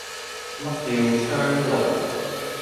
乜叫窗爐